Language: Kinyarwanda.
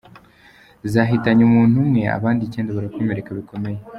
zahitanye umuntu umwe, abandi icyenda barakomereka bikomeye.